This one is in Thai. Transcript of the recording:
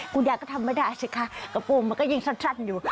กูแก่ทำด่าสิค่ะกระโปรงมันก็ยิ่งชัดอยู่